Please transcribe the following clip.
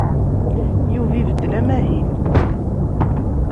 Yuba ibeddel amahil.